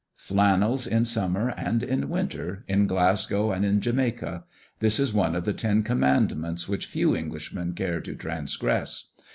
Flannels in summer and in winter, in Glasgow and in Jamaica; this is one of the ten commandments which few Englishmen care to transgress.